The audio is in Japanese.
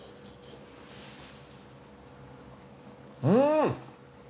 うん！